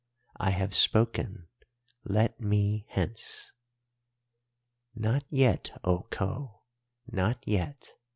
I have spoken. Let me hence.' "'Not yet, O Khou—not yet.